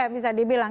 itu ya bisa dibilang